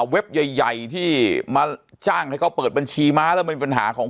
ใหญ่ที่มาจ้างให้เขาเปิดบัญชีม้าแล้วมีปัญหาของ